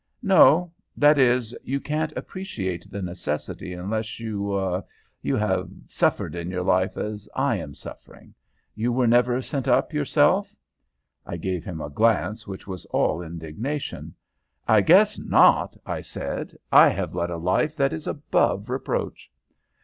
"No; that is, you can't appreciate the necessity unless you er you have suffered in your life as I am suffering. You were never sent up yourself?" I gave him a glance which was all indignation. "I guess not," I said. "I have led a life that is above reproach."